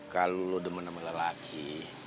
kalau lo demen sama lelaki